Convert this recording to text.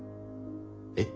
え？